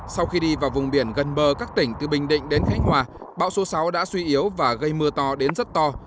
sau khi đi vào vùng biển gần bờ các tỉnh từ bình định đến khánh hòa bão số sáu đã suy yếu và gây mưa to đến rất to